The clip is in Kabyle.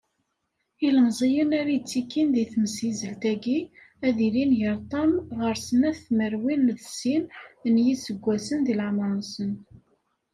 Ilmeẓyen ara ittekkin deg temsizzelt-agi, ad ilin gar ṭam ɣer snat tmerwin d sin, n yiseggasen di leɛmer-nsen.